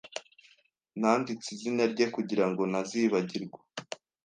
Nanditse izina rye kugirango ntazibagirwa.